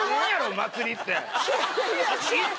祭りって。